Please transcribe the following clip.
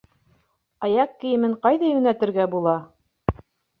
Аяҡ кейемен ҡайҙа йүнәтергә була?